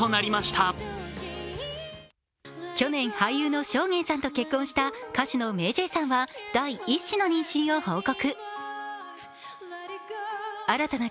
去年俳優の尚玄さんと結婚した歌手のＭａｙＪ．さんは第１子の妊娠を報告。